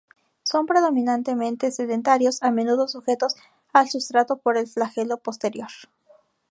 Son predominantemente sedentarios, a menudo sujetos al sustrato por el flagelo posterior.